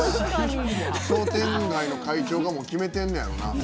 商店街の会長が決めてんねやろな。